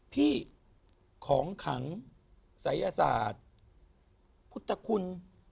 ของขังศัยศาสตร์พุทธคุณ